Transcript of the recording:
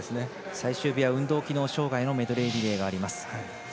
最終日は運動機能障がいのメドレーリレーがあります。